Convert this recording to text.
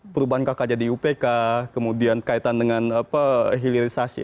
perubahan kakak jadi upk kemudian kaitan dengan hilirisasi